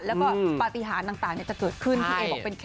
แล้วก็ปฏิหารต่างจะเกิดขึ้น